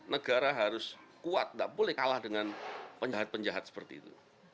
negara harus kuat tidak boleh kalah dengan penjahat penjahat seperti itu